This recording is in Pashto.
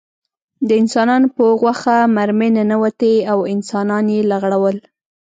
د انسانانو په غوښه مرمۍ ننوتې او انسانان یې لغړول